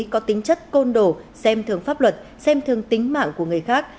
có tính chất côn đổ xem thường pháp luật xem thường tính mạng của người khác